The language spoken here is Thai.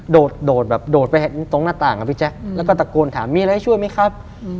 โดดแบบโดดไปตรงหน้าต่างอ่ะพี่แจ๊คแล้วก็ตะโกนถามมีอะไรช่วยไหมครับ